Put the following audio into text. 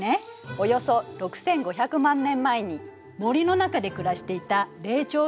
およそ６，５００万年前に森の中で暮らしていた霊長類の祖先なの。